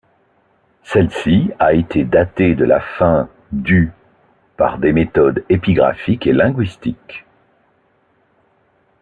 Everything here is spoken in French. Celle-ci a été datée de la fin du par des méthodes épigraphiques et linguistiques.